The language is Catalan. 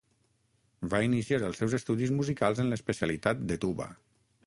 Va iniciar els seus estudis musicals en l'especialitat de tuba.